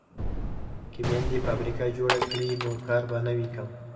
که میندې فابریکه جوړ کړي نو کار به نه وي کم.